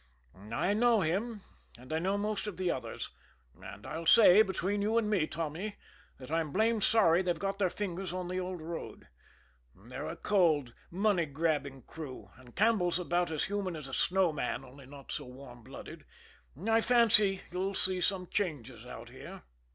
"I know him, and I know most of the others; and I'll say, between you and me, Tommy, that I'm blamed sorry they've got their fingers on the old road. They're a cold, money grabbing crew, and Campbell's about as human as a snow man, only not so warm blooded. I fancy you'll see some changes out here."